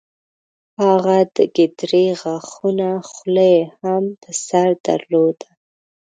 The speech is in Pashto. هغه د ګیدړې غاښونو خولۍ هم په سر درلوده.